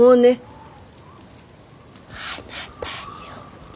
あなたよ。